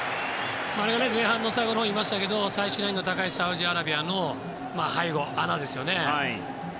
あれが前半の最後のほうに言いましたが最終ラインの高いサウジアラビアの背後、穴ですよね。